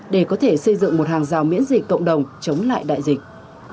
để có thể xây dựng một hàng rào miễn dịch cộng đồng chống lại đại dịch